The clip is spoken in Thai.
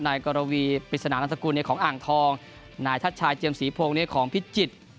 นายกรวีปริศนานรัฐกุลของอ่างทองนายทัชชายเจียมสีโพงของพิจิตร